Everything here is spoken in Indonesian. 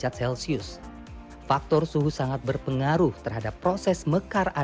aspek waktu menjadi hal penting untuk menurut saya